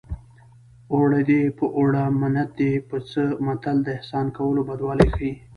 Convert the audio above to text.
اوړه دې په اوړه منت دې په څه متل د احسان کولو بدوالی ښيي